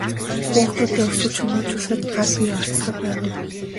Хүүхдүүдээ өсгөж хүмүүжүүлэхэд гар бие оролцдог байв уу?